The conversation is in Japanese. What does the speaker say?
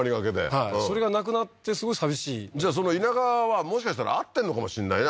はいそれがなくなってすごいさびしいじゃあ田舎はもしかしたら合ってんのかもしんないね